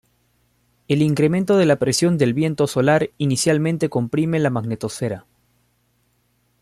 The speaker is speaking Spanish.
El incremento en la presión del viento solar inicialmente comprime la magnetosfera.